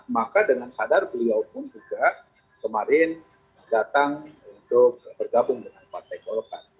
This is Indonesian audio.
maka dengan sadar beliau pun juga kemarin datang untuk bergabung dengan partai golkar